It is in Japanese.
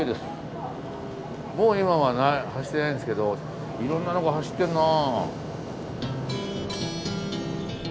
もう今は走ってないんですけどいろんなのが走ってんな。